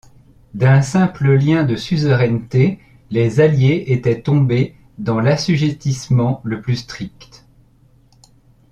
D'un simple lien de suzeraineté, les alliés étaient tombés dans l’assujettissement le plus strict.